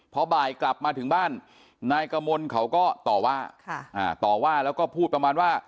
พอบ่ายกลับมาถึงบ้านนายกมลเขาก็ต่อว่าต่อว่าแล้วก็พูดประมาณว่า